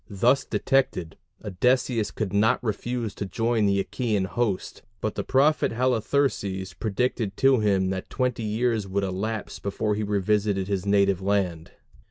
Thus detected, Odysseus could not refuse to join the Achæan host, but the prophet Halitherses predicted to him that twenty years would elapse before he revisited his native land.